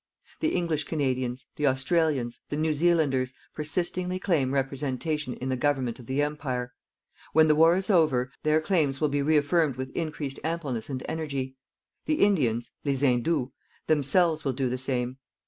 _ "_The English Canadians, the Australians, the New Zealanders persistingly claim representation in the government of the Empire. When the war is over, their claims will be reaffirmed with increased ampleness and energy. The Indians (les Hindous) themselves will do the same.